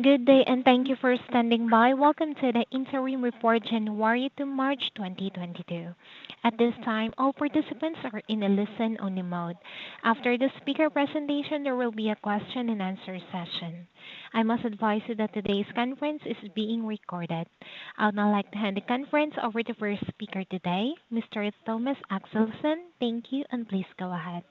Good day, and thank you for standing by. Welcome to the Interim Report January to March 2022. At this time, all participants are in a listen-only mode. After the speaker presentation, there will be a question and answer session. I must advise you that today's conference is being recorded. I would now like to hand the conference over to the first speaker today, Mr. Thomas Axelsson. Thank you, and please go ahead.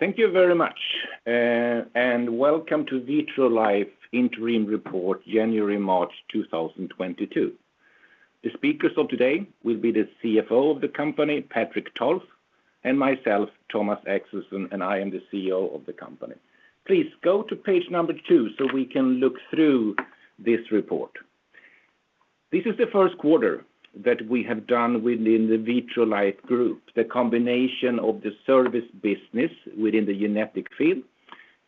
Thank you very much and welcome to Vitrolife Interim Report January-March 2022. The speakers of today will be the CFO of the company, Patrik Tolf, and myself, Thomas Axelsson, and I am the CEO of the company. Please go to page number two, so we can look through this report. This is the first quarter that we have done within the Vitrolife Group, the combination of the service business within the genetic field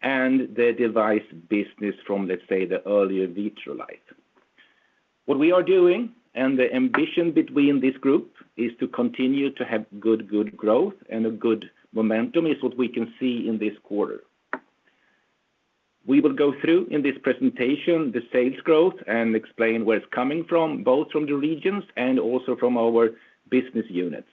and the device business from, let's say, the earlier Vitrolife. What we are doing and the ambition between this group is to continue to have good growth and a good momentum is what we can see in this quarter. We will go through in this presentation the sales growth and explain where it's coming from, both from the regions and also from our business units.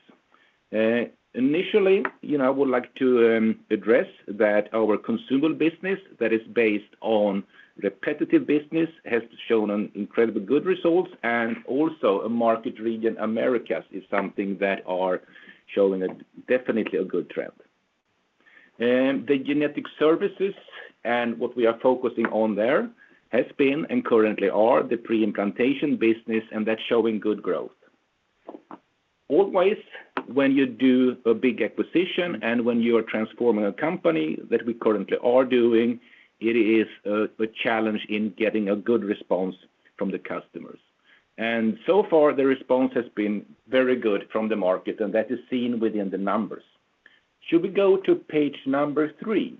Initially, you know, I would like to address that our Consumables business that is based on repetitive business has shown incredibly good results and also a market region Americas is something that are showing a definitely a good trend. The Genetic Services and what we are focusing on there has been and currently are the preimplantation business, and that's showing good growth. Always when you do a big acquisition and when you are transforming a company that we currently are doing, it is a challenge in getting a good response from the customers. So far, the response has been very good from the market, and that is seen within the numbers. Should we go to page three?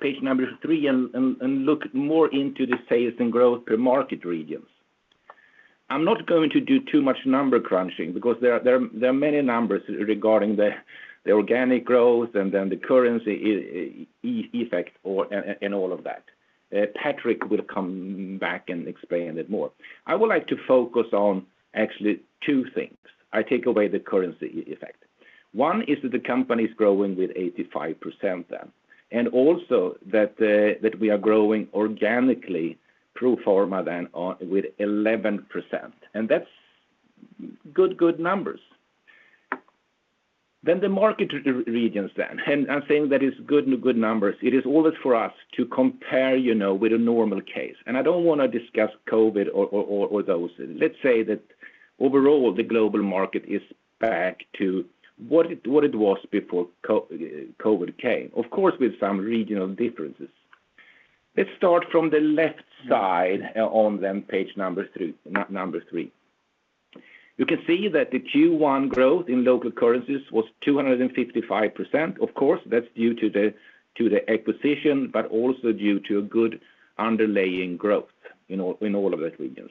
Page three and look more into the sales and growth per market regions. I'm not going to do too much number crunching because there are many numbers regarding the organic growth and then the currency effect and all of that. Patrik will come back and explain it more. I would like to focus on actually two things. I take away the currency effect. One is that the company is growing with 85% then, and also that we are growing organically pro forma with 11%. That's good numbers. The market regions, I'm saying that is good numbers. It is always for us to compare, you know, with a normal case. I don't want to discuss COVID or those. Let's say that overall, the global market is back to what it was before COVID came, of course, with some regional differences. Let's start from the left side on the page number three, number three. You can see that the Q1 growth in local currencies was 255%. Of course, that's due to the acquisition but also due to a good underlying growth in all of the regions.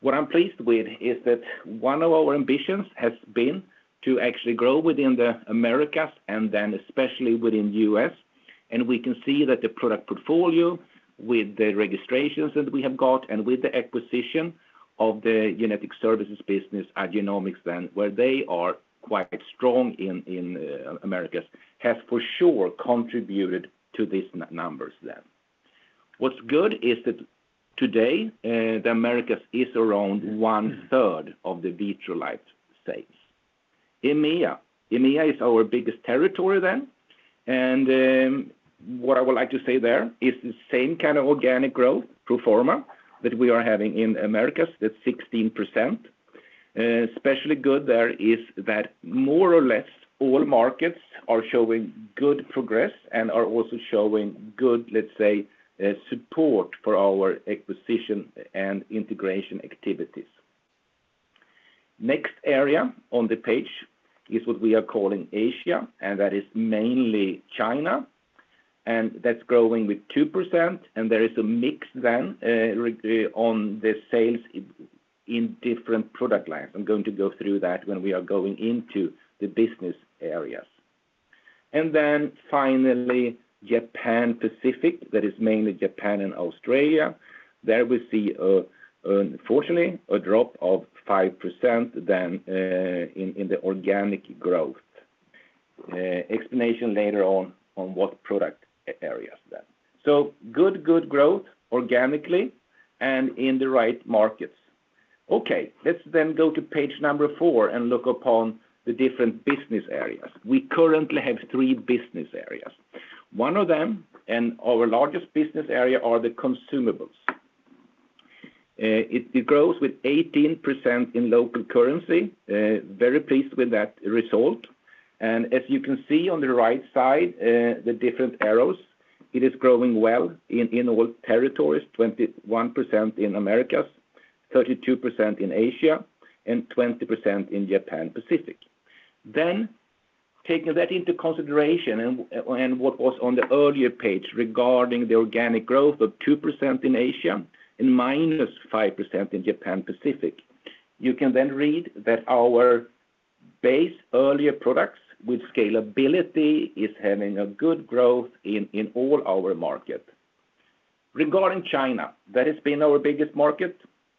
What I'm pleased with is that one of our ambitions has been to actually grow within the Americas and especially within U.S. We can see that the product portfolio with the registrations that we have got and with the acquisition of the Genetic Services business at Igenomix, where they are quite strong in Americas, has for sure contributed to these numbers. What's good is that today, the Americas is around one-third of the Vitrolife sales. EMEA. EMEA is our biggest territory then. What I would like to say there is the same kind of organic growth pro forma that we are having in Americas, that's 16%. Especially good there is that more or less all markets are showing good progress and are also showing good, let's say, support for our acquisition and integration activities. Next area on the page is what we are calling Asia, and that is mainly China, and that's growing with 2%, and there is a mix then regarding the sales in different product lines. I'm going to go through that when we are going into the business areas. Finally, Japan Pacific, that is mainly Japan and Australia. There we see a drop of 5% in the organic growth. Explanation later on what product areas. Good growth organically and in the right markets. Okay, let's go to page four and look upon the different business areas. We currently have three business areas. One of them, and our largest business area are the Consumables. It grows 18% in local currency. Very pleased with that result. As you can see on the right side, the different arrows, it is growing well in all territories, 21% in Americas, 32% in Asia, and 20% in Japan Pacific. Taking that into consideration and what was on the earlier page regarding the organic growth of 2% in Asia and -5% in Japan Pacific, you can then read that our base earlier products with scalability is having a good growth in all our market. Regarding China, that has been our biggest market,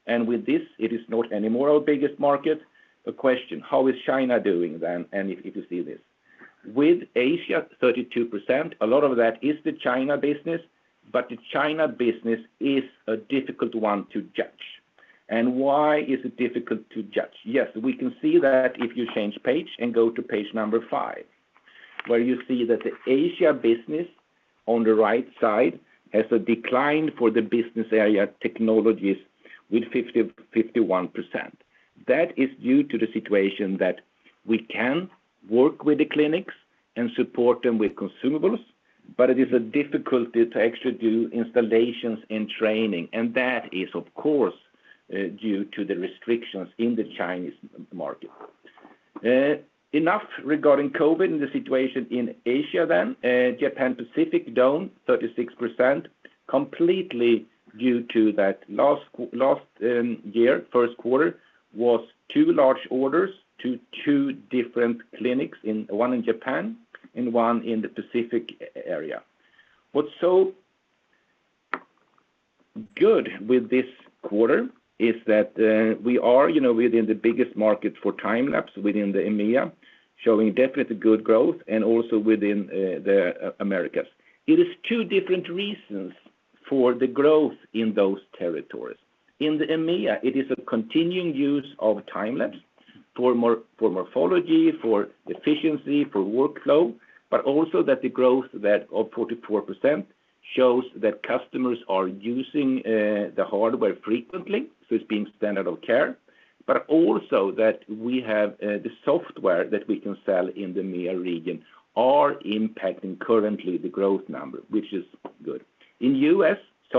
and with this it is not anymore our biggest market. The question, how is China doing then? If you see this. With Asia 32%, a lot of that is the China business, but the China business is a difficult one to judge. Why is it difficult to judge? Yes, we can see that if you change page and go to page five, where you see that the Asia business on the right side has a decline for the business area Technologies with 51%. That is due to the situation that we can work with the clinics and support them with Consumables, but it is a difficulty to actually do installations and training. That is, of course, due to the restrictions in the Chinese market. Enough regarding COVID and the situation in Asia then. Japan Pacific down 36% completely due to that last year, first quarter was two large orders to two different clinics, one in Japan and one in the Pacific area. What's so good with this quarter is that, we are, you know, within the biggest market for time-lapse within the EMEA, showing definitely good growth and also within the Americas. It is two different reasons for the growth in those territories. In the EMEA, it is a continuing use of time-lapse for morphology, for efficiency, for workflow, but also that the growth of 44% shows that customers are using the hardware frequently, so it's being standard of care. We have the software that we can sell in the EMEA region are impacting currently the growth number, which is good. In U.S., the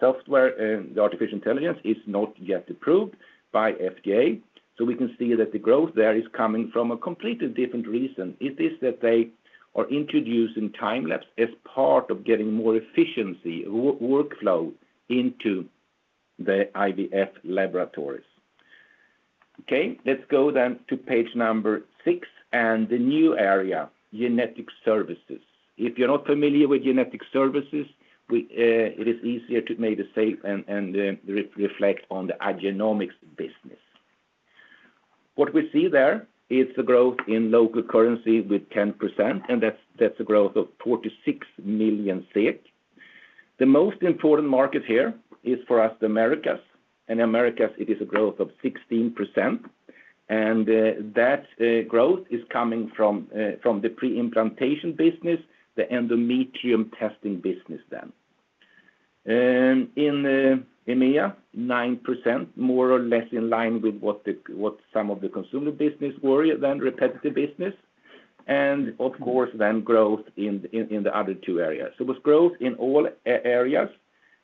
software, the artificial intelligence is not yet approved by FDA. We can see that the growth there is coming from a completely different reason. It is that they are introducing time-lapse as part of getting more efficiency workflow into the IVF laboratories. Okay, let's go to page six and the new area, Genetic Services. If you're not familiar with Genetic Services, it is easier to reflect on the Igenomix business. What we see there is the growth in local currency with 10%, and that's a growth of 46 million SEK. The most important market here is for us the Americas. In the Americas, it is a growth of 16%. That growth is coming from the preimplantation business, the endometrial testing business. In EMEA, 9% more or less in line with what some of the consumables business were, the repetitive business. Of course then growth in the other two areas. It was growth in all areas.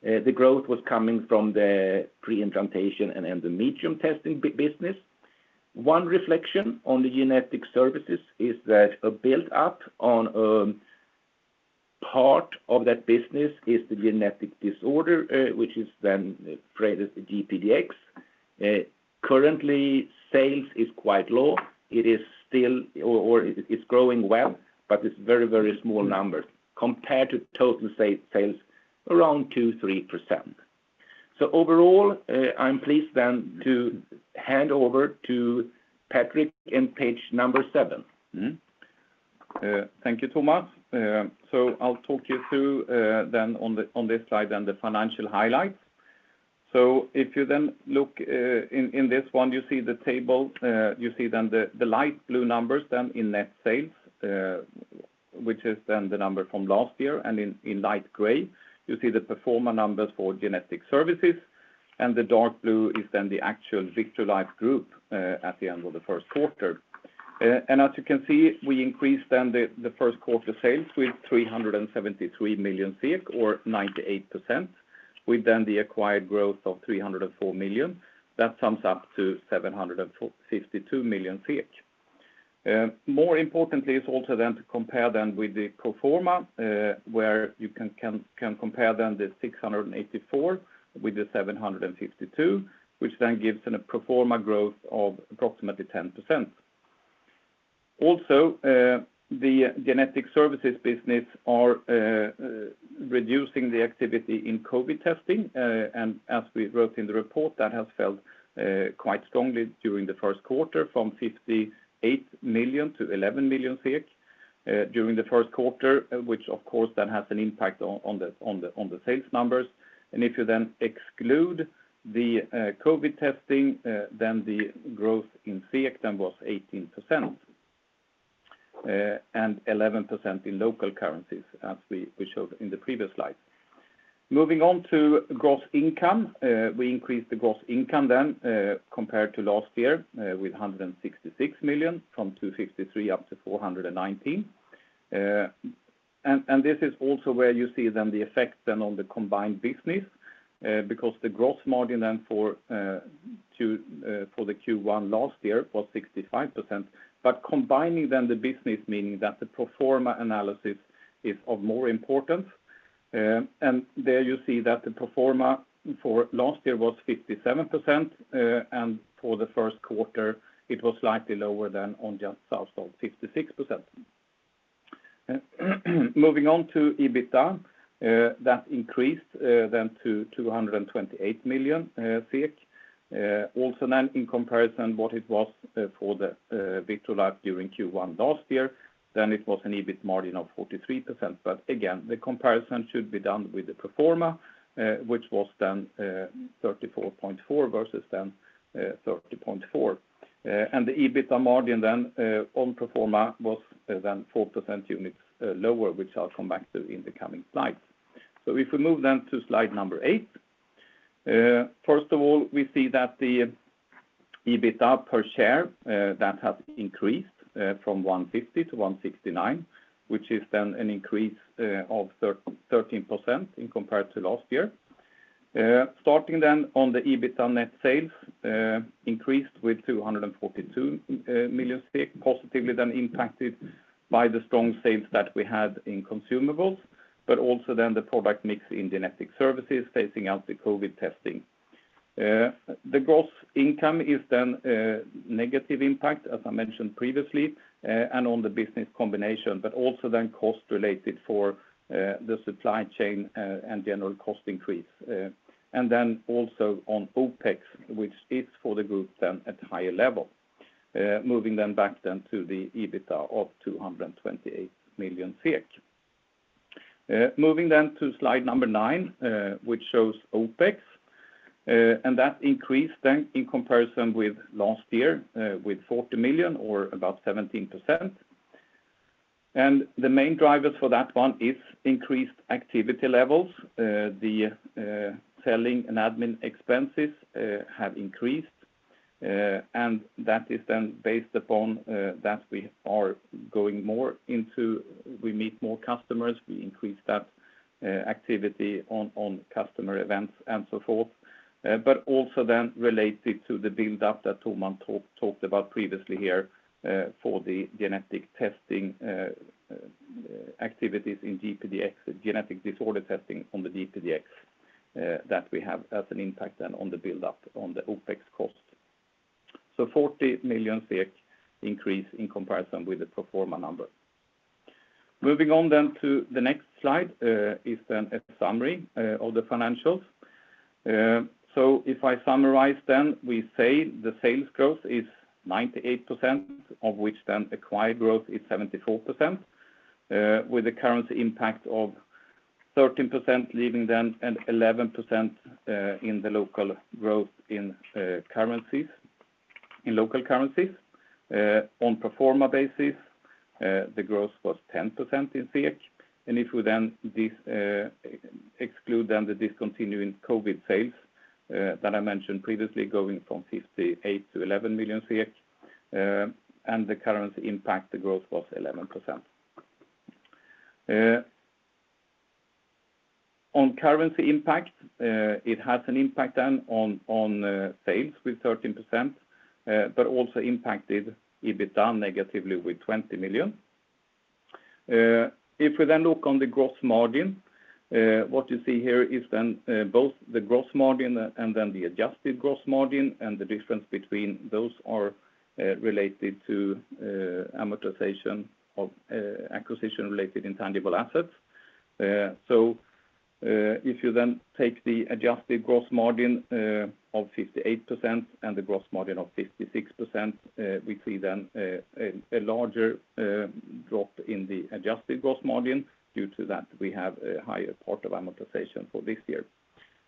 The growth was coming from the preimplantation and endometrial testing business. One reflection on the Genetic Services is that a buildup of part of that business is the genetic disorder, which is then traded GPDx. Currently sales is quite low. It's growing well, but it's very, very small numbers compared to total sales around 2%-3%. Overall, I'm pleased then to hand over to Patrik on page seven. Thank you, Thomas. I'll talk you through on this slide the financial highlights. If you look in this one, you see the table, you see the light blue numbers in net sales, which is the number from last year. In light gray, you see the pro forma numbers for Genetic Services. The dark blue is the actual Vitrolife Group at the end of the first quarter. As you can see, we increased the first quarter sales with 373 million or 98%. With the acquired growth of 304 million, that sums up to 752 million. More importantly is also then to compare them with the pro forma, where you can compare them the 684 with the 752, which then gives a pro forma growth of approximately 10%. Also, the Genetic Services business are reducing the activity in COVID testing. And as we wrote in the report, that has fallen quite strongly during the first quarter from 58 million to 11 million during the first quarter, which of course then has an impact on the sales numbers. If you then exclude the COVID testing, then the growth in SEK was 18% and 11% in local currencies, as we showed in the previous slide. Moving on to gross income. We increased the gross income then, compared to last year, with 166 million, from 263 million up to 419 million. This is also where you see the effect on the combined business, because the gross margin for the Q1 last year was 65%. Combining the business, meaning that the pro forma analysis is of more importance. There you see that the pro forma for last year was 57%, and for the first quarter, it was slightly lower than 56%. Moving on to EBITDA, that increased to 228 million. In comparison to what it was for Vitrolife during Q1 last year, it was an EBIT margin of 43%. Again, the comparison should be done with the pro forma, which was 34.4% versus 30.4%. The EBITDA margin on pro forma was four percentage points lower, which I'll come back to in the coming slides. If we move to slide number eight. First of all, we see that the EBITDA per share has increased from 1.50 to 1.69, which is an increase of 13% compared to last year. Starting on the EBITDA, net sales increased with 242 million, positively impacted by the strong sales that we had in Consumables, but also the product mix in Genetic Services, phasing out the COVID testing. The gross income then had negative impact, as I mentioned previously, and on the business combination, but also cost related for the supply chain and general cost increase. OpEx, which is for the group, at higher level. Moving back to the EBITDA of 228 million SEK. Moving to slide number nine, which shows OpEx. That increased in comparison with last year with 40 million or about 17%. The main drivers for that one is increased activity levels. The selling and admin expenses have increased. That is then based upon that we are going more into. We meet more customers, we increase that activity on customer events and so forth. It is also related to the build-up that Thomas talked about previously here for the genetic testing activities in GPDx, genetic disorder testing on the GPDx that we have as an impact then on the buildup on the OpEx cost. 40 million SEK increase in comparison with the pro forma number. Moving on to the next slide is a summary of the financials. If I summarize then, we say the sales growth is 98%, of which then acquired growth is 74%, with the currency impact of 13%, leaving then an 11% in the local growth in currencies, in local currencies. On pro forma basis, the growth was 10% in SEK. If we then exclude the discontinuing COVID sales that I mentioned previously, going from 58 million to 11 million, and the currency impact, the growth was 11%. On currency impact, it has an impact then on sales with 13%, but also impacted EBITDA negatively with 20 million. If we look on the gross margin, what you see here is both the gross margin and the adjusted gross margin, and the difference between those are related to amortization of acquisition-related intangible assets. If you take the adjusted gross margin of 58% and the gross margin of 56%, we see a larger drop in the adjusted gross margin due to that we have a higher part of amortization for this year.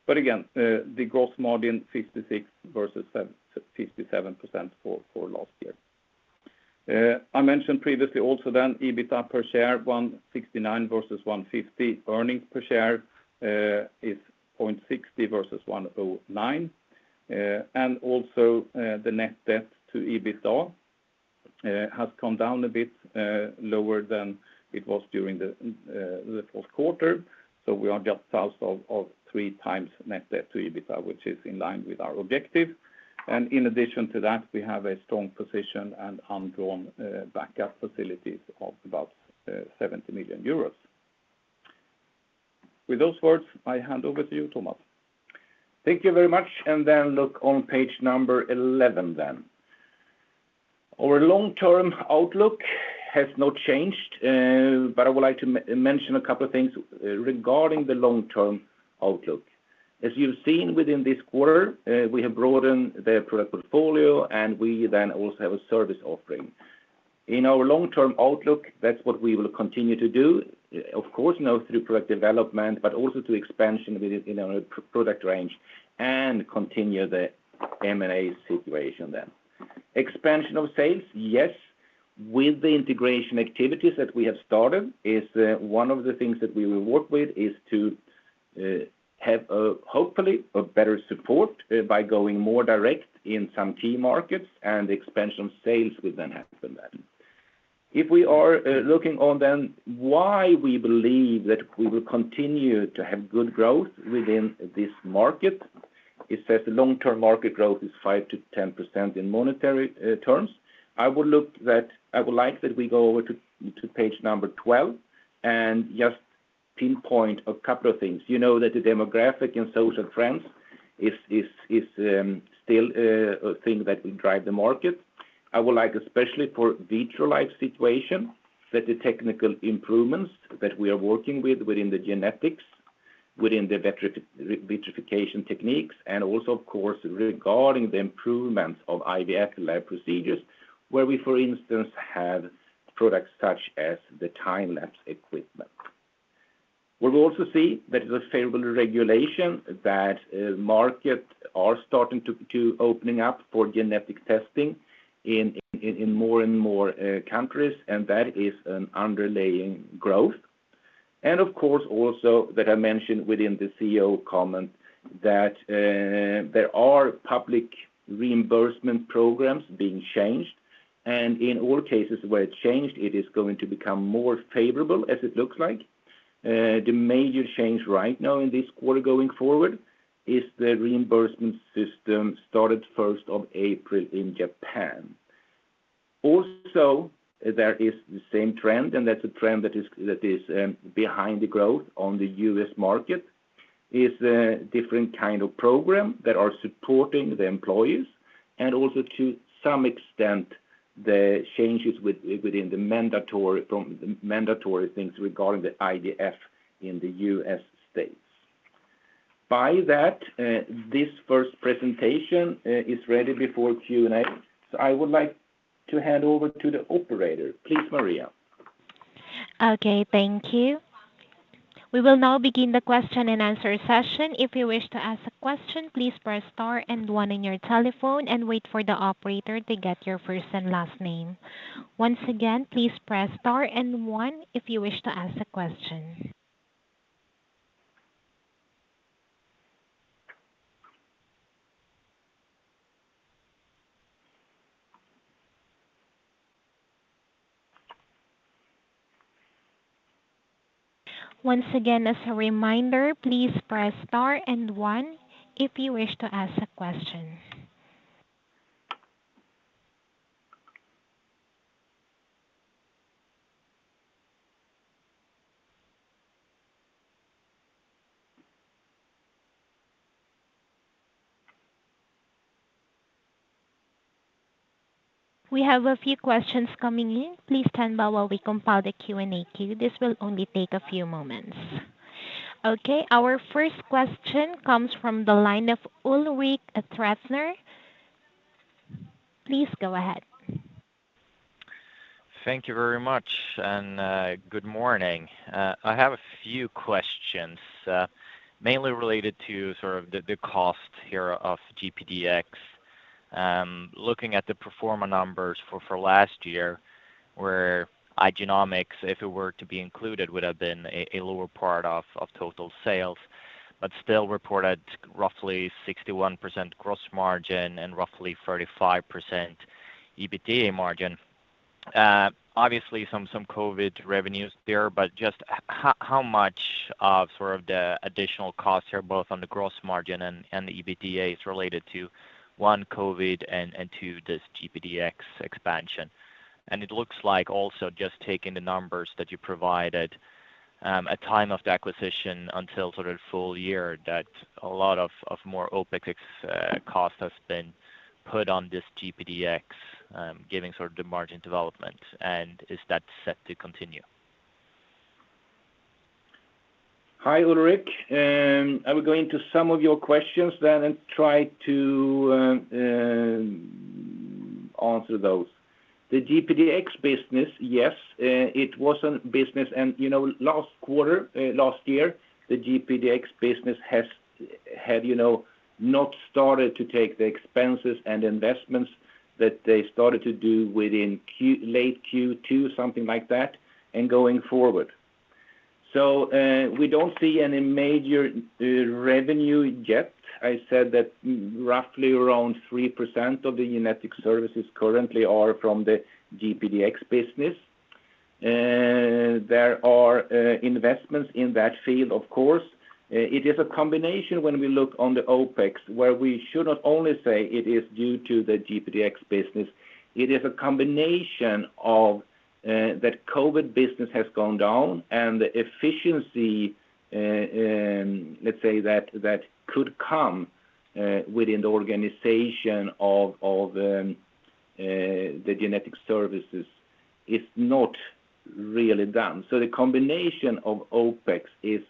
Again, the gross margin 56% versus 57% for last year. I mentioned previously also EBITDA per share 1.69 versus 1.50. Earnings per share is 0.60 versus 1.09. Also, the net debt to EBITDA has come down a bit, lower than it was during the fourth quarter. We are just south of three times net debt to EBITDA, which is in line with our objective. In addition to that, we have a strong position and undrawn backup facilities of about 70 million euros. With those words, I hand over to you, Thomas. Thank you very much, look on page 11. Our long-term outlook has not changed, but I would like to mention a couple of things regarding the long-term outlook. As you've seen within this quarter, we have broadened the product portfolio, and we then also have a service offering. In our long-term outlook, that's what we will continue to do. Of course, now through product development, but also through expansion with, you know, our product range and continue the M&A situation. Expansion of sales, yes. With the integration activities that we have started, one of the things that we will work with is to have hopefully a better support by going more direct in some key markets, and expansion of sales will then happen. If we are looking on then why we believe that we will continue to have good growth within this market. It says the long-term market growth is 5%-10% in monetary terms. I would like that we go over to page number 12 and just pinpoint a couple of things. You know that the demographic and social trends is still a thing that will drive the market. I would like, especially for Vitrolife situation, that the technical improvements that we are working with within the genetics, within the vitrification techniques, and also of course, regarding the improvements of IVF lab procedures, where we, for instance, have products such as the time-lapse equipment. We will also see that the favorable regulation that markets are starting to open up for genetic testing in more and more countries, and that is an underlying growth. Of course, also that I mentioned within the CEO comment that there are public reimbursement programs being changed, and in all cases where it changed, it is going to become more favorable as it looks like. The major change right now in this quarter going forward is the reimbursement system started first of April in Japan. There is the same trend, and that's a trend that is behind the growth on the U.S. market, is a different kind of program that are supporting the employees and also to some extent, the changes within the mandatory things regarding the IVF in the U.S. states. By that, this first presentation is ready before Q&A. I would like to hand over to the operator. Please, Maria. Okay, thank you. We will now begin the question-and-answer session. If you wish to ask a question, please press star and one on your telephone and wait for the operator to get your first and last name. Once again, please press star and one if you wish to ask a question. Once again, as a reminder, please press star and one if you wish to ask a question. We have a few questions coming in. Please stand by while we compile the Q&A queue. This will only take a few moments. Okay. Our first question comes from the line of Ulrik Trattner. Please go ahead. Thank you very much, and good morning. I have a few questions, mainly related to sort of the cost here of GPDx. Looking at the pro forma numbers for last year where Igenomix, if it were to be included, would have been a lower part of total sales, but still reported roughly 61% gross margin and roughly 35% EBITDA margin. Obviously some COVID revenues there, but just how much of sort of the additional costs are both on the gross margin and the EBITDA is related to one, COVID and two, this GPDx expansion. It looks like also just taking the numbers that you provided at time of the acquisition until sort of full year that a lot of more OpEx costs have been put on this GPDx, giving sort of the margin development. Is that set to continue? Hi, Ulrik. I will go into some of your questions then and try to answer those. The GPDx business, yes, it was a business and, you know, last quarter last year, the GPDx business had, you know, not started to take the expenses and investments that they started to do within late Q2, something like that, and going forward. We don't see any major revenue yet. I said that roughly around 3% of the Genetic Services currently are from the GPDx business. There are investments in that field, of course. It is a combination when we look on the OpEx, where we should not only say it is due to the GPDx business. It is a combination of that COVID business has gone down and the efficiency, let's say that could come within the organization of Genetic Services is not really done. The combination of OpEx is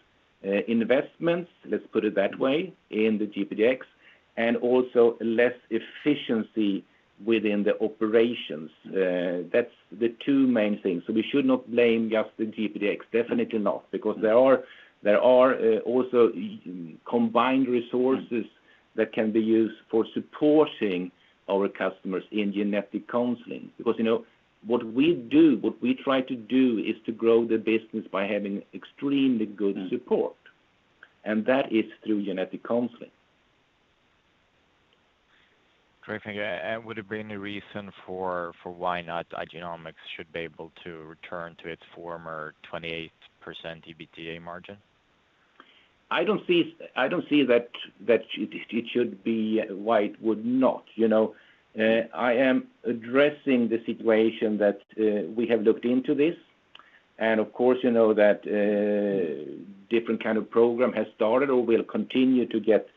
investments, let's put it that way, in the GPDx, and also less efficiency within the operations. That's the two main things. We should not blame just the GPDx. Definitely not, because there are also combined resources that can be used for supporting our customers in genetic counseling. You know, what we do, what we try to do is to grow the business by having extremely good support, and that is through genetic counseling. Great. Thank you. Would it be any reason for why not Igenomix should be able to return to its former 28% EBITDA margin? I don't see why it would not, you know. I am addressing the situation that we have looked into this, and of course, you know that different kind of program has started or will continue to get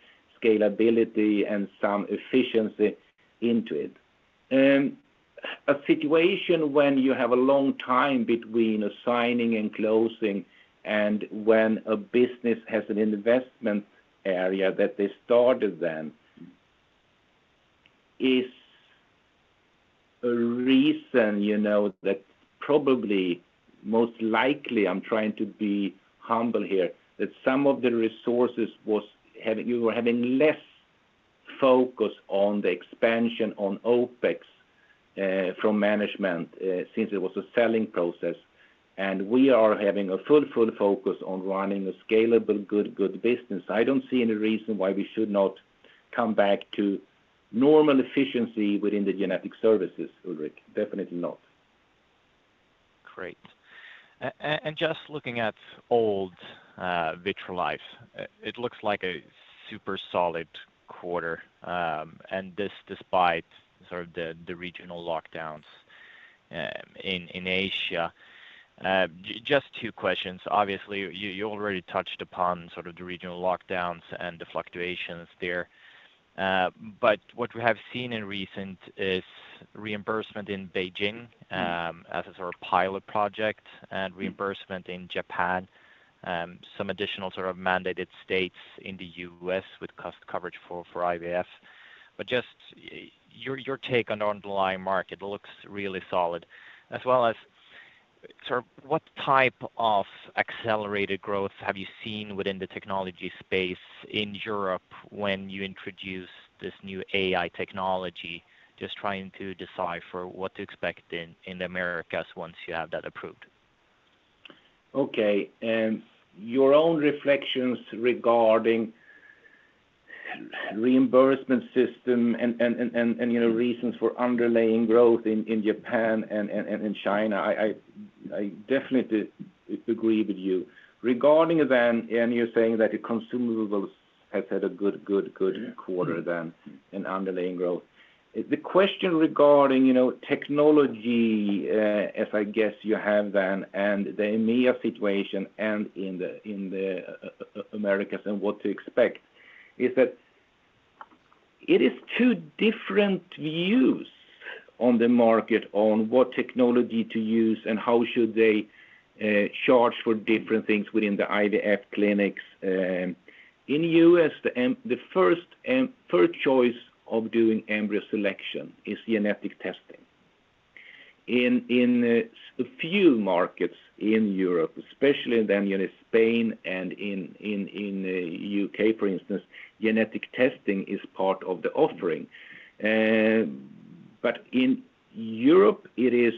scalability and some efficiency into it. A situation when you have a long time between signing and closing and when a business has an investment area that they started then is a reason, you know, that probably most likely, I'm trying to be humble here, that some of the resources you were having less focus on the expansion on OpEx from management, since it was a selling process, and we are having a full focus on running a scalable good business. I don't see any reason why we should not come back to normal efficiency within the Genetic Services, Ulrik. Definitely not. Great. Just looking at old Vitrolife, it looks like a super solid quarter, and this despite sort of the regional lockdowns in Asia. Just two questions. Obviously, you already touched upon sort of the regional lockdowns and the fluctuations there. What we have seen in recent is reimbursement in Beijing, as a sort of pilot project, and reimbursement in Japan, some additional sort of mandated states in the U.S. with cost coverage for IVF. Your take on the underlying market looks really solid. As well as sort of what type of accelerated growth have you seen within the technology space in Europe when you introduce this new AI technology, just trying to decipher what to expect in the Americas once you have that approved. Okay. Your own reflections regarding reimbursement system and, you know, reasons for underlying growth in Japan and China, I definitely agree with you. Regarding then, you're saying that the Consumables has had a good quarter then and underlying growth. The question regarding, you know, technology, as I guess you have then and the EMEA situation and in the Americas and what to expect is that it is two different views on the market on what technology to use and how should they charge for different things within the IVF clinics. In U.S., the first choice of doing embryo selection is genetic testing. In a few markets in Europe, especially then, you know, Spain and in U.K., for instance, genetic testing is part of the offering. But in Europe, it is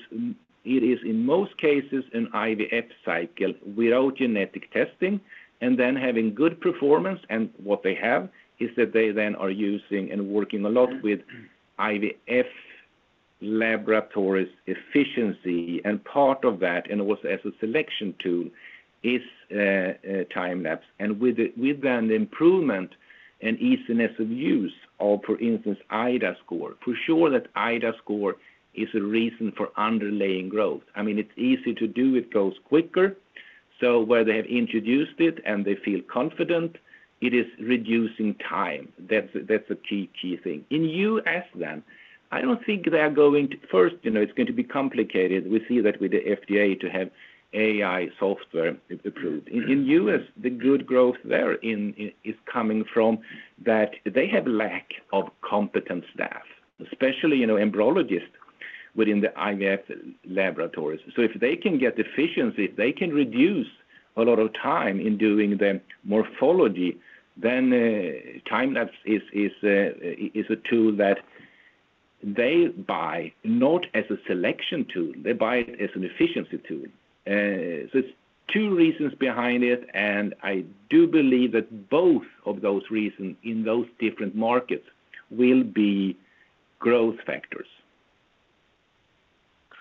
in most cases an IVF cycle without genetic testing and then having good performance. What they have is that they then are using and working a lot with IVF laboratories efficiency. Part of that, and also as a selection tool is time-lapse. With the improvement and easiness of use of, for instance, iDAScore, for sure that iDAScore is a reason for underlying growth. I mean, it's easy to do. It goes quicker. Where they have introduced it and they feel confident, it is reducing time. That's a key thing. In U.S., I don't think they are going to, you know, it's going to be complicated. We see that with the FDA to have AI software approved. In U.S., the good growth there is coming from that they have lack of competent staff, especially, you know, embryologists within the IVF laboratories. If they can get efficiency, if they can reduce a lot of time in doing the morphology, then time-lapse is a tool that they buy not as a selection tool, they buy it as an efficiency tool. It's two reasons behind it, and I do believe that both of those reasons in those different markets will be growth factors.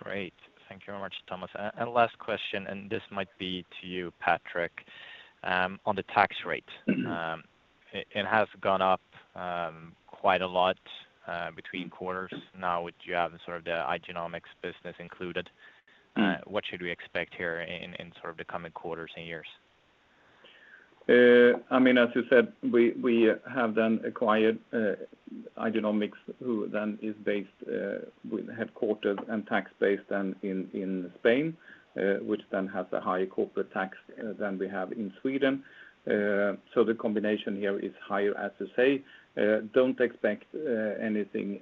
Great. Thank you very much, Thomas. Last question, and this might be to you, Patrik, on the tax rate. Mm-hmm. It has gone up quite a lot between quarters now that you have sort of the Igenomix business included. What should we expect here in sort of the coming quarters and years? I mean, as you said, we have then acquired Igenomix, who then is based with headquarters and tax base then in Spain, which then has a higher corporate tax than we have in Sweden. The combination here is higher, as you say. Don't expect anything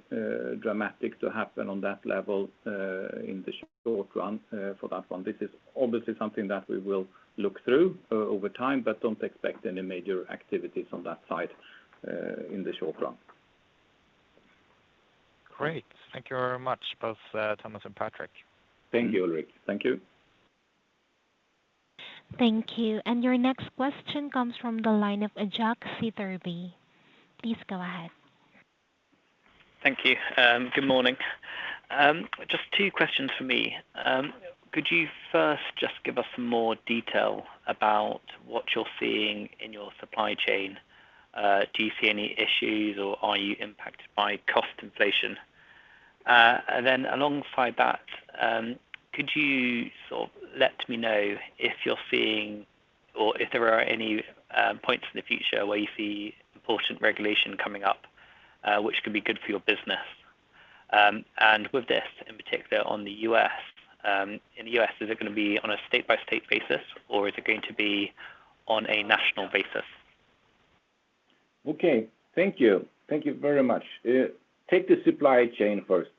dramatic to happen on that level in the short run for that one. This is obviously something that we will look through over time, but don't expect any major activities on that side in the short run. Great. Thank you very much, both, Thomas and Patrik. Thank you, Ulrik. Thank you. Thank you. Your next question comes from the line of Jack Sitherby. Please go ahead. Thank you. Good morning. Just two questions from me. Could you first just give us some more detail about what you're seeing in your supply chain? Do you see any issues, or are you impacted by cost inflation? And then alongside that, could you sort of let me know if you're seeing or if there are any points in the future where you see important regulation coming up, which could be good for your business, and with this, in particular on the U.S. In the U.S., is it gonna be on a state-by-state basis, or is it going to be on a national basis? Okay. Thank you. Thank you very much. Take the supply chain first.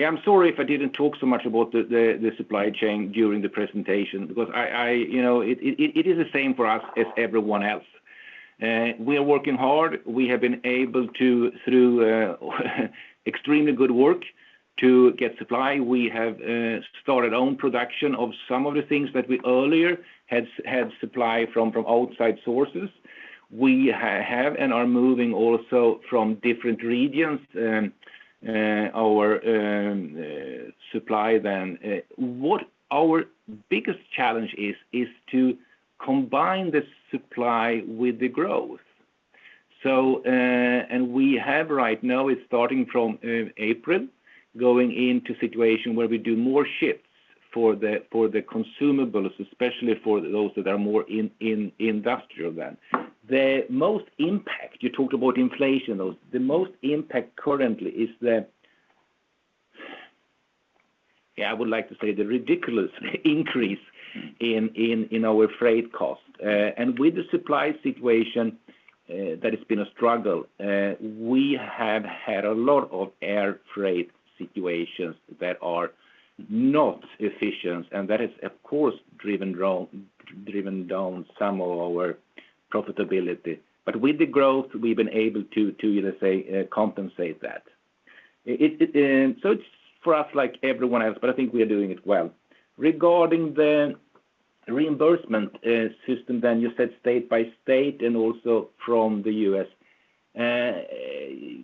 I'm sorry if I didn't talk so much about the supply chain during the presentation because I you know. It is the same for us as everyone else. We are working hard. We have been able to through extremely good work to get supply. We have started own production of some of the things that we earlier had supply from outside sources. We have and are moving also from different regions our supply then. What our biggest challenge is to combine the supply with the growth. We have right now, starting from April, going into situation where we do more shipments for the Consumables, especially for those that are more in industrial than. You talked about inflation, though. The most impact currently is, yeah, I would like to say the ridiculous increase in our freight cost. With the supply situation, that has been a struggle. We have had a lot of air freight situations that are not efficient, and that has, of course, driven down some of our profitability. But with the growth, we've been able to, let's say, compensate that. It's, for us, like everyone else, but I think we are doing it well. Regarding the reimbursement system, then you said state by state and also from the U.S.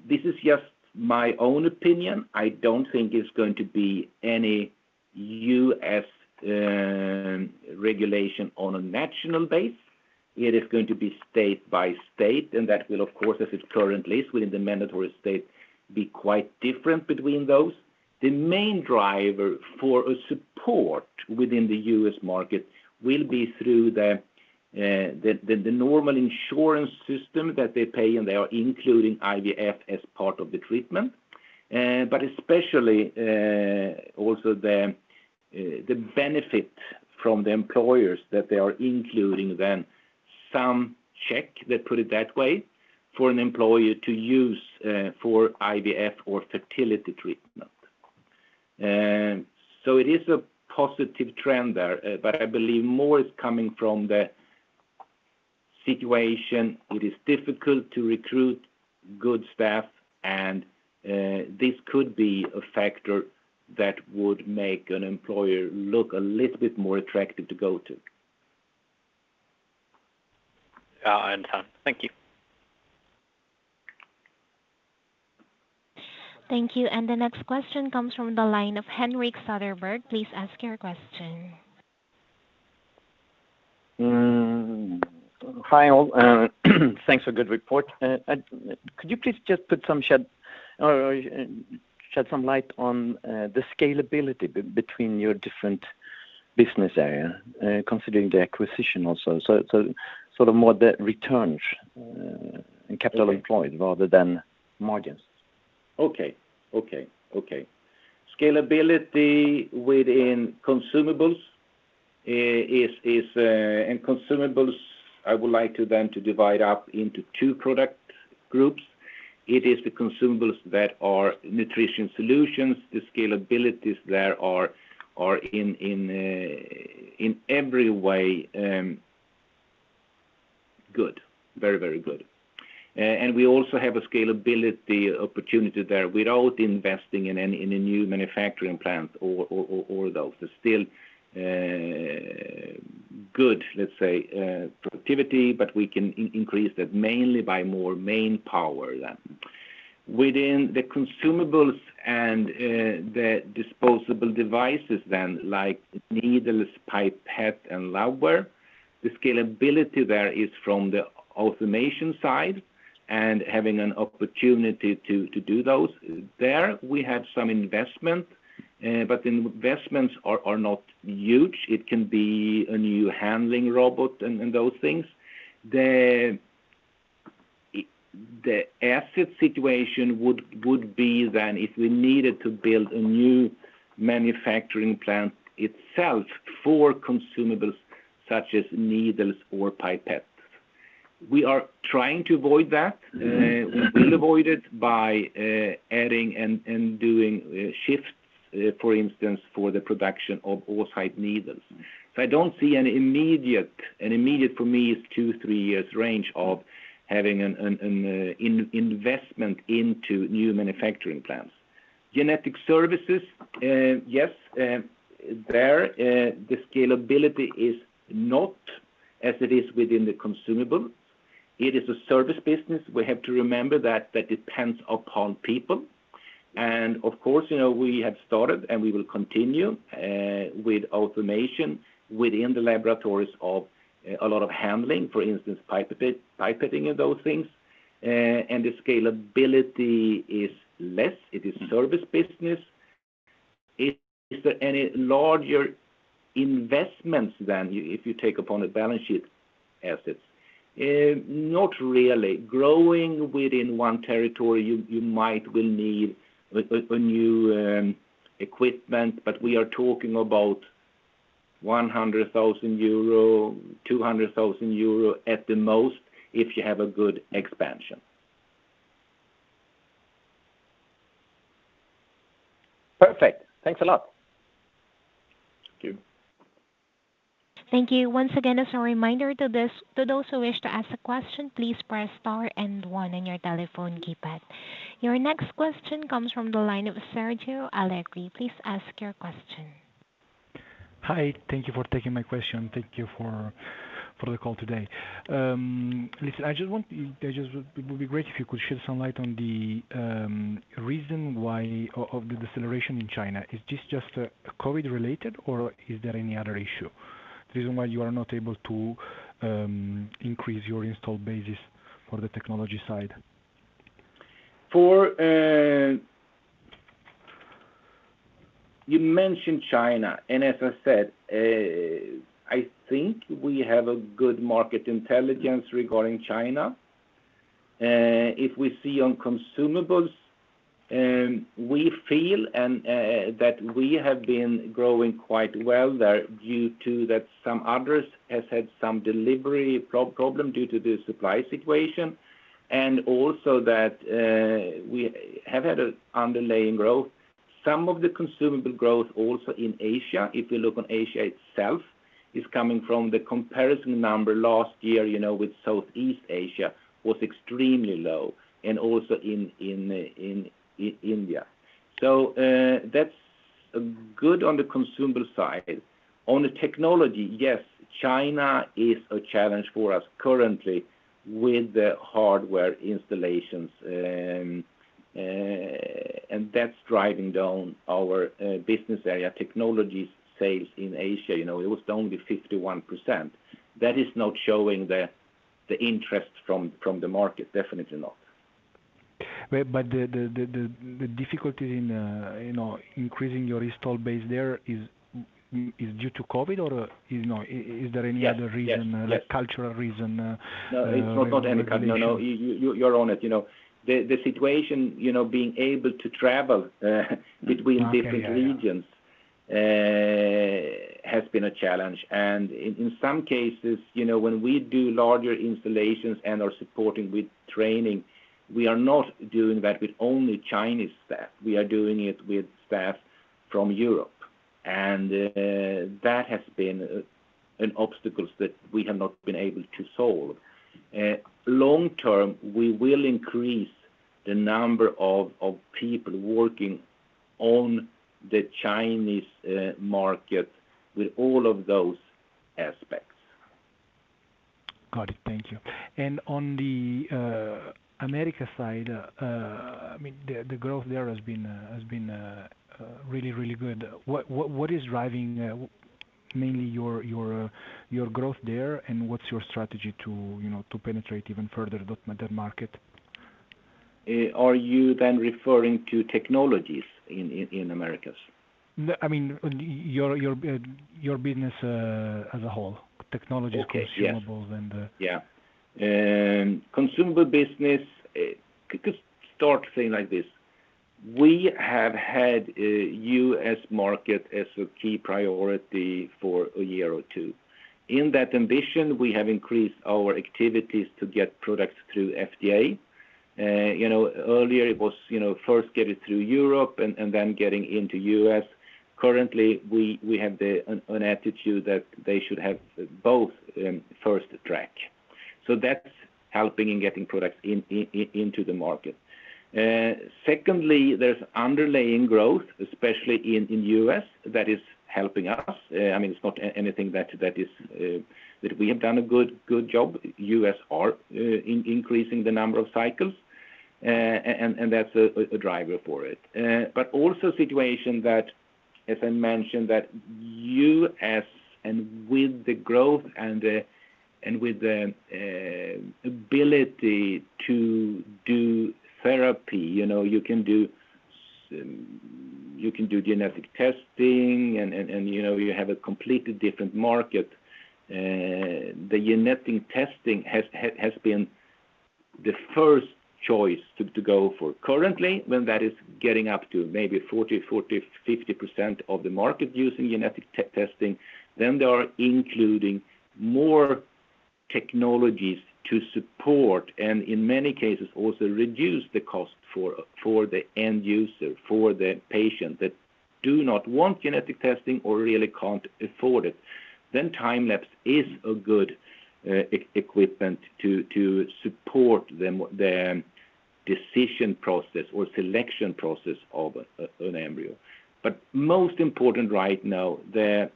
This is just my own opinion. I don't think it's going to be any U.S. regulation on a national basis. It is going to be state by state, and that will of course, as it currently is within the mandatory state, be quite different between those. The main driver for support within the U.S. market will be through the normal insurance system that they pay, and they are including IVF as part of the treatment. But especially also the benefit from the employers that they are including, then some check, let's put it that way, for an employer to use for IVF or fertility treatment. It is a positive trend there, but I believe more is coming from the situation. It is difficult to recruit good staff, and this could be a factor that would make an employer look a little bit more attractive to go to. Done. Thank you. Thank you. The next question comes from the line of Henrik Söderberg. Please ask your question. Hi, all. Thanks for good report. Could you please just shed some light on the scalability between your different business areas, considering the acquisition also, so sort of more the returns and capital employed rather than margins. Scalability within Consumables is. Consumables, I would like to divide up into two product groups. It is the consumables that are nutrition solutions. The scalabilities there are in every way good. Very good. We also have a scalability opportunity there without investing in any new manufacturing plant or those. There's still good productivity, but we can increase that mainly by more manpower then. Within the consumables and the disposable devices then, like needles, pipette, and labware, the scalability there is from the automation side and having an opportunity to do those. There, we have some investment, but investments are not huge. It can be a new handling robot and those things. The asset situation would be then if we needed to build a new manufacturing plant itself for Consumables such as needles or pipettes. We are trying to avoid that. Mm-hmm. We will avoid it by adding and doing shifts, for instance, for the production of all type needles. I don't see an immediate, for me is two to three-years range of having an investment into new manufacturing plants. Genetic Services, yes, the scalability is not as it is within the Consumables. It is a service business. We have to remember that it depends upon people. Of course, you know, we have started, and we will continue with automation within the laboratories of a lot of handling, for instance, pipetting and those things. The scalability is less. It is a service business. Is there any larger investments than if you take upon a balance sheet assets? Not really. Growing within one territory, you might well need a new equipment, but we are talking about 100,000-200,000 euro at the most, if you have a good expansion. Perfect. Thanks a lot. Thank you. Thank you. Once again, as a reminder to this, to those who wish to ask a question, please press star and one on your telephone keypad. Your next question comes from the line of Sergio Allegri. Please ask your question. Hi. Thank you for taking my question. Thank you for the call today. Listen, it would be great if you could shed some light on the reason why of the deceleration in China. Is this just COVID related, or is there any other issue, the reason why you are not able to increase your installed base for the technology side? You mentioned China, and as I said, I think we have a good market intelligence regarding China. If we see on Consumables, we feel and that we have been growing quite well there due to that some others has had some delivery problem due to the supply situation. Also that we have had a underlying growth. Some of the Consumables growth also in Asia, if you look on Asia itself, is coming from the comparison number last year, you know, with Southeast Asia, was extremely low and also in India. So that's good on the Consumables side. On the Technologies, yes, China is a challenge for us currently with the hardware installations. That's driving down our business area Technologies sales in Asia. You know, it was only 51%. That is not showing the interest from the market. Definitely not. The difficulty in you know increasing your install base there is due to COVID or is no- Yes. Is there any other reason? Yes. Like cultural reason No, it's not anything. No, you're on it, you know. The situation, you know, being able to travel between different regions. Okay, yeah. has been a challenge. In some cases, you know, when we do larger installations and are supporting with training, we are not doing that with only Chinese staff. We are doing it with staff from Europe. That has been an obstacle that we have not been able to solve. Long term, we will increase the number of people working on the Chinese market with all of those aspects. Got it. Thank you. On the America side, I mean, the growth there has been really good. What is driving mainly your growth there, and what's your strategy to, you know, to penetrate even further that market? Are you then referring to Technologies in Americas? No, I mean your business as a whole, technologies Okay, yes. Consumables and the. Yeah. Consumables business could start saying like this: we have had U.S. market as a key priority for a year or two. In that ambition, we have increased our activities to get products through FDA. You know, earlier it was you know first get it through Europe and then getting into U.S. Currently, we have an attitude that they should have both fast track. That's helping in getting products into the market. Secondly, there's underlying growth, especially in U.S., that is helping us. I mean, it's not anything that we have done a good job. U.S. are increasing the number of cycles and that's a driver for it. Also situation that, as I mentioned, that U.S. and with the growth and the, and with the, ability to do therapy, you know, you can do genetic testing and, you know, you have a completely different market. The genetic testing has been the first choice to go for. Currently, when that is getting up to maybe 40%-50% of the market using genetic testing, then they are including more technologies to support and in many cases also reduce the cost for the end user, for the patient that do not want genetic testing or really can't afford it, then time-lapse is a good equipment to support them with their decision process or selection process of an embryo. Most important right now, the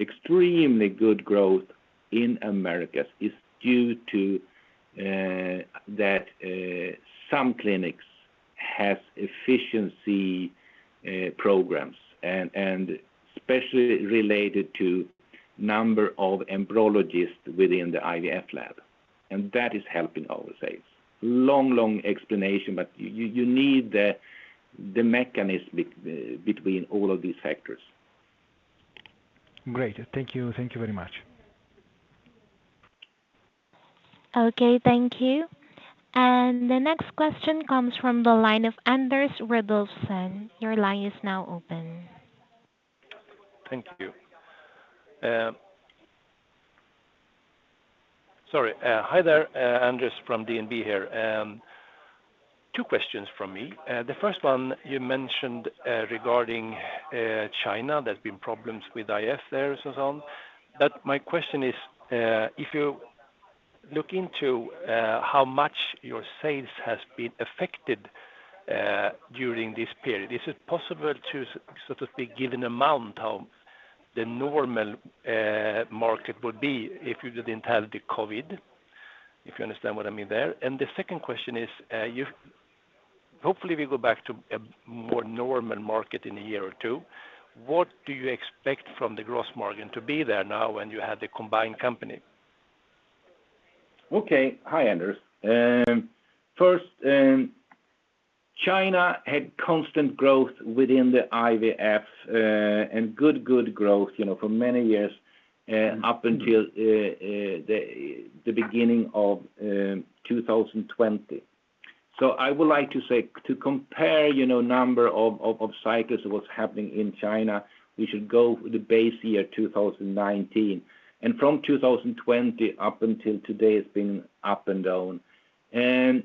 extremely good growth in Americas is due to that some clinics have efficiency programs and especially related to number of embryologists within the IVF lab, and that is helping our sales. Long explanation, but you need the mechanism between all of these factors. Great. Thank you. Thank you very much. Okay. Thank you. The next question comes from the line of Anders Rudolfsson. Your line is now open. Thank you. Anders from DNB here. Two questions from me. The first one, you mentioned regarding China, there's been problems with IVF there and so on. My question is, if you look into how much your sales has been affected during this period, is it possible to so to speak give an amount of the normal market would be if you didn't have the COVID? If you understand what I mean there. The second question is, hopefully we go back to a more normal market in a year or two. What do you expect from the gross margin to be there now when you have the combined company? Okay. Hi, Anders. First, China had constant growth within the IVF and good growth, you know, for many years up until the beginning of 2020. I would like to say to compare, you know, number of cycles, what's happening in China, we should go the base year 2019. From 2020 up until today, it's been up and down. Currently,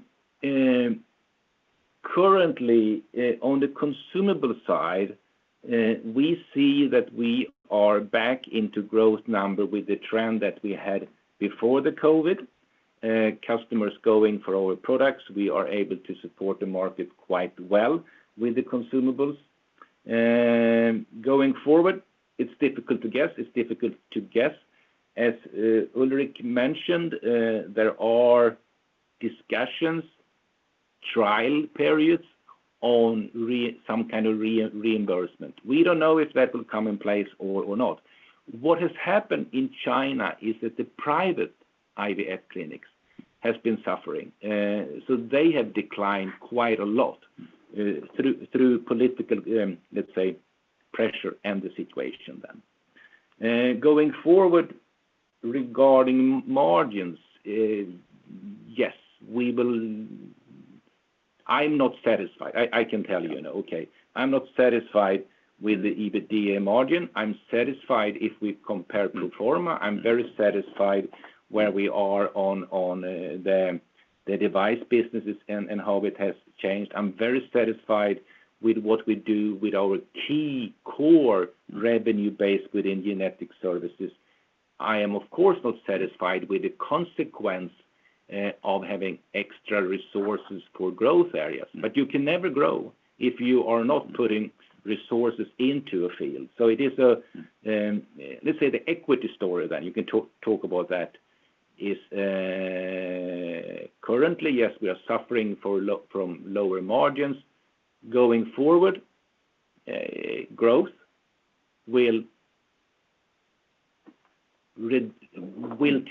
on the consumable side, we see that we are back into growth number with the trend that we had before the COVID, customers going for our products. We are able to support the market quite well with the consumables. Going forward, it's difficult to guess. As Ulrik mentioned, there are discussions, trial periods on some kind of reimbursement. We don't know if that will come in place or not. What has happened in China is that the private IVF clinics has been suffering. So they have declined quite a lot through political, let's say, pressure and the situation then. Going forward, regarding margins, I'm not satisfied. I can tell you now, okay. I'm not satisfied with the EBITDA margin. I'm satisfied if we compare pro forma. I'm very satisfied where we are on the device businesses and how it has changed. I'm very satisfied with what we do with our key core revenue base within Genetic Services. I am, of course, not satisfied with the consequence of having extra resources for growth areas. You can never grow if you are not putting resources into a field. It is, let's say, the equity story then. You can talk about that. Currently, yes, we are suffering from lower margins. Going forward, growth will partly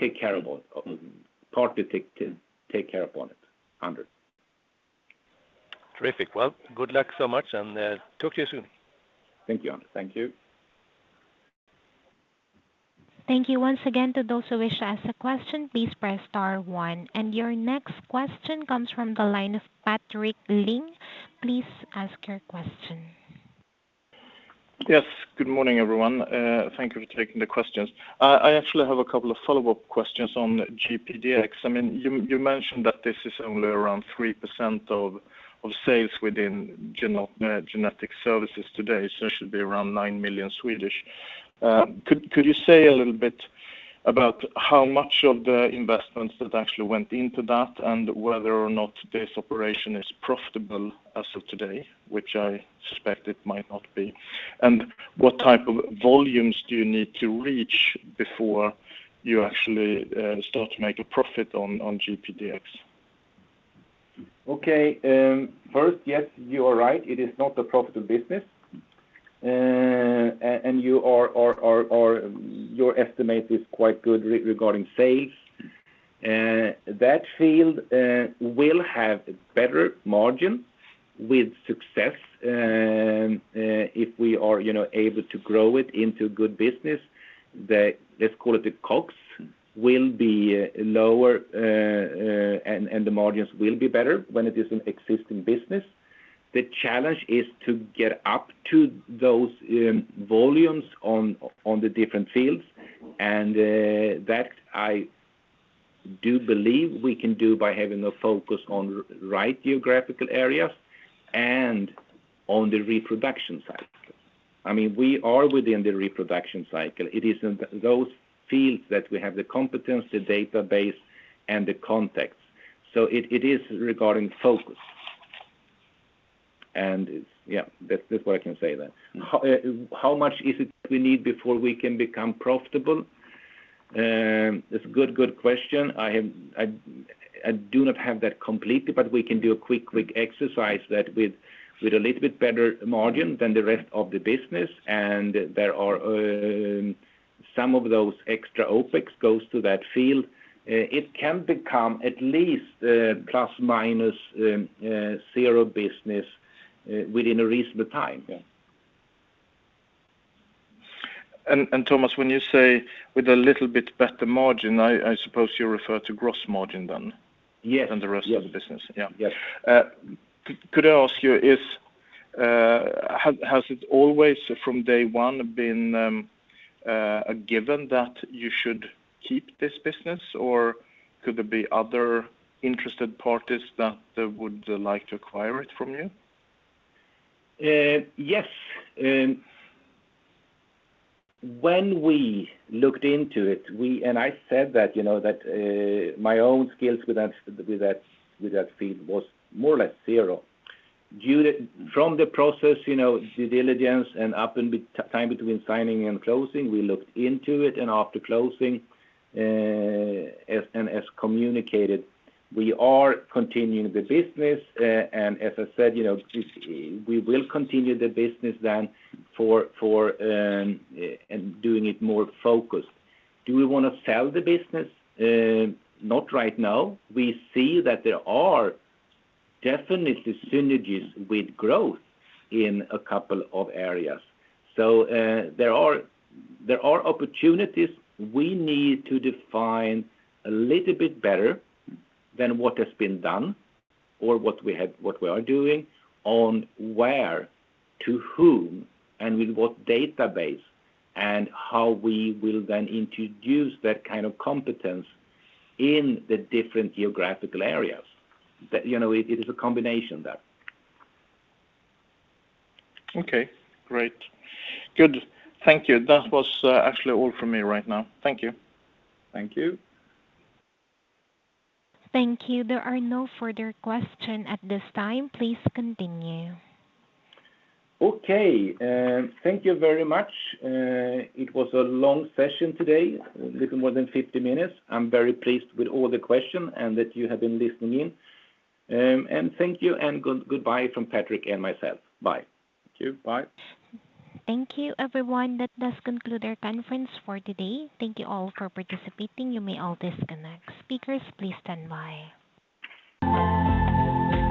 take care of it, Anders. Terrific. Well, good luck so much, and talk to you soon. Thank you, Anders. Thank you. Thank you once again. To those who wish to ask a question, please press star one. Your next question comes from the line of Patrik Ling. Please ask your question. Yes. Good morning, everyone. Thank you for taking the questions. I actually have a couple of follow-up questions on GPDx. I mean, you mentioned that this is only around 3% of sales within Genetic Services today, so it should be around 9 million. Could you say a little bit about how much of the investments that actually went into that and whether or not this operation is profitable as of today, which I suspect it might not be? And what type of volumes do you need to reach before you actually start to make a profit on GPDx? Okay. First, yes, you are right. It is not a profitable business. Your estimate is quite good regarding sales. That field will have better margin with success. If we are, you know, able to grow it into good business, the, let's call it the costs, will be lower, and the margins will be better when it is an existing business. The challenge is to get up to those volumes on the different fields. That I do believe we can do by having a focus on right geographical areas and on the reproductive cycle. I mean, we are within the reproductive cycle. It is in those fields that we have the competency database and the context. It is regarding focus. Yeah, that's what I can say there. How much is it we need before we can become profitable? It's a good question. I do not have that completely, but we can do a quick exercise that with a little bit better margin than the rest of the business, and there are some of those extra OpEx goes to that field. It can become at least plus minus zero business within a reasonable time. Yeah, Thomas, when you say with a little bit better margin, I suppose you refer to gross margin then? Yes Than the rest of the business. Yes. Yeah. Yes. Could I ask you, has it always from day one been a given that you should keep this business, or could there be other interested parties that would like to acquire it from you? Yes. When we looked into it, and I said that, you know, my own skills with that field was more or less zero. From the process, you know, due diligence and up until the time between signing and closing, we looked into it. After closing, as communicated, we are continuing the business. As I said, you know, this we will continue the business then and doing it more focused. Do we wanna sell the business? Not right now. We see that there are definitely synergies with growth in a couple of areas. There are opportunities we need to define a little bit better than what has been done or what we had, what we are doing on where, to whom, and with what database and how we will then introduce that kind of competence in the different geographical areas. You know, it is a combination there. Okay, great. Good. Thank you. That was, actually all from me right now. Thank you. Thank you. Thank you. There are no further questions at this time. Please continue. Okay. Thank you very much. It was a long session today, a little more than 50 minutes. I'm very pleased with all the question and that you have been listening in. Thank you, and goodbye from Patrik and myself. Bye. Thank you. Bye. Thank you, everyone. That does conclude our conference for today. Thank you all for participating. You may all disconnect. Speakers, please stand by.